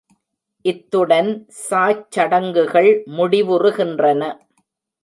இத்துடன் சாச்சடங்குகள் முடிவுறுகின்றன.